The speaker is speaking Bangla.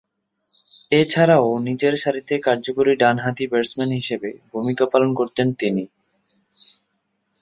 এছাড়াও নিচেরসারিতে কার্যকরী ডানহাতি ব্যাটসম্যান হিসেবে ভূমিকা পালন করতেন তিনি।